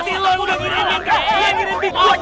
lu udah dirimpin